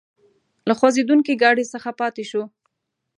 له خوځېدونکي ګاډي څخه پاتې شوو.